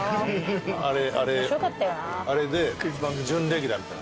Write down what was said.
あれで準レギュラーみたい。